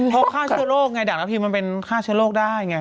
ข้าวเชื้อโรคไงเด็กพี่มันเป็นข้าวเชื้อโรคได้ไง